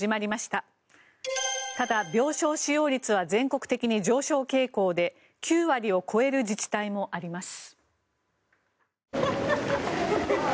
ただ、病床使用率は全国的に上昇傾向で９割を超える自治体もあります。